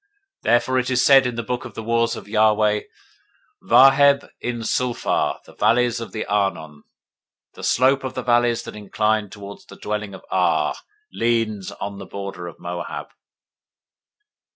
021:014 Therefore it is said in the book of the Wars of Yahweh, "Vaheb in Suphah, the valleys of the Arnon, 021:015 the slope of the valleys that incline toward the dwelling of Ar, leans on the border of Moab."